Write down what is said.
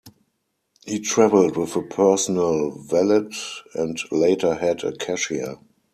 He travelled with a personal valet and later had a cashier.